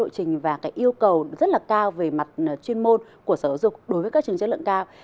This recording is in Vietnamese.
có cái lộ trình và cái yêu cầu rất là cao về mặt chuyên môn của sở dục đối với các trường chất lượng cao